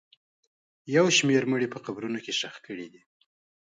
یو شمېر مړي په قبرونو کې ښخ کړي دي